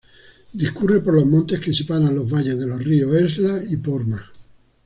Discurre por los montes que separan los Valles de los ríos Esla y Porma.